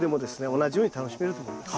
同じように楽しめると思います。